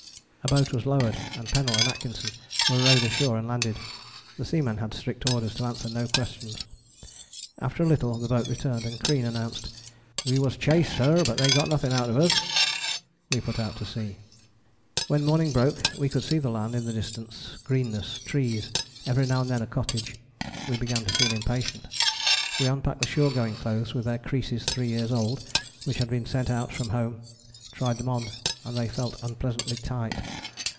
A boat was lowered and Pennell and Atkinson were rowed ashore and landed. The seamen had strict orders to answer no questions. After a little the boat returned, and Crean announced: "We was chased, sorr, but they got nothing out of us." We put out to sea. When morning broke we could see the land in the distance greenness, trees, every now and then a cottage. We began to feel impatient. We unpacked the shore going clothes with their creases three years old which had been sent out from home, tried them on and they felt unpleasantly tight.